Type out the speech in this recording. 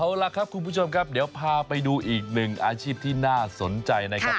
เอาล่ะครับคุณผู้ชมครับเดี๋ยวพาไปดูอีกหนึ่งอาชีพที่น่าสนใจนะครับ